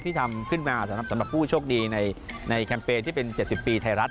ทำขึ้นมาสำหรับผู้โชคดีในแคมเปญที่เป็น๗๐ปีไทยรัฐ